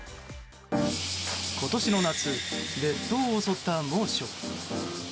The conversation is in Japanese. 今年の夏列島を襲った猛暑。